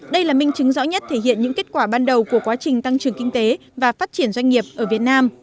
đây là minh chứng rõ nhất thể hiện những kết quả ban đầu của quá trình tăng trưởng kinh tế và phát triển doanh nghiệp ở việt nam